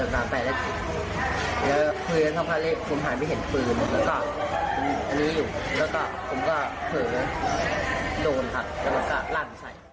ก็เดินกลางไปแล้วกลับมา